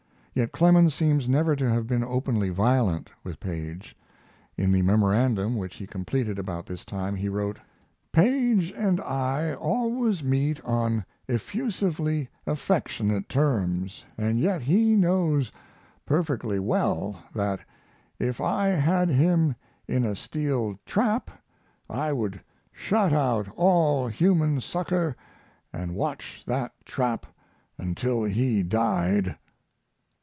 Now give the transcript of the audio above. Yet Clemens seems never to have been openly violent with Paige. In the memorandum which he completed about this time he wrote: Paige and I always meet on effusively affectionate terms, and yet he knows perfectly well that if I had him in a steel trap I would shut out all human succor and watch that trap until he died.